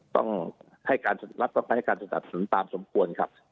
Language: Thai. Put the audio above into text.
ต้องให้การรัฐต้องไปให้การสนับสนุนตามสมควรครับ